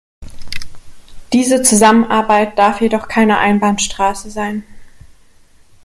Diese Zusammenarbeit darf jedoch keine Einbahnstraße sein.